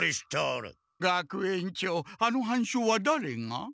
学園長あの半鐘はだれが？